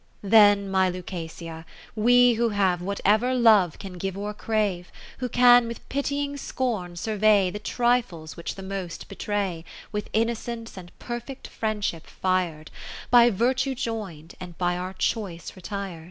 XI Then, my Lucasia, we who have Whatever Love can give or crave ; Who can with pitying scorn survey The trifles which the most betray ; With innocence and perfect friend ship fir'd, By Virtue join'd, and by our choice retir'd.